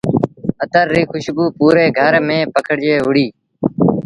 اتر ريٚ کُشبو پوري گھر ميݩ پکڙجي وهُڙيٚ۔